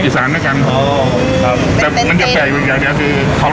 ออแต่จะแปลกอย่างเดียวก็คือ